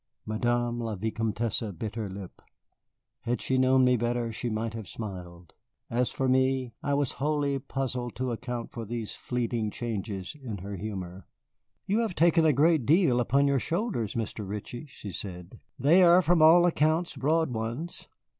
Madame la Vicomtesse bit her lip. Had she known me better, she might have smiled. As for me, I was wholly puzzled to account for these fleeting changes in her humor. "You have taken a great deal upon your shoulders, Mr. Ritchie," she said. "They are from all accounts broad ones.